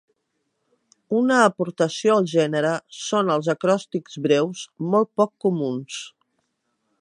Una aportació al gènere són els acròstics breus, molt poc comuns.